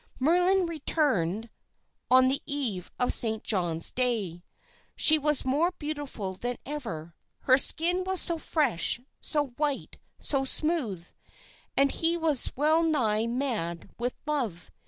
"Merlin returned on the eve of Saint John's Day. She was more beautiful than ever. 'Her skin was so fresh, so white, so smooth!' And he was well nigh mad with love.